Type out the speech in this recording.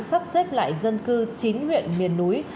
sắp xếp lại dân cư chín huyện miền núi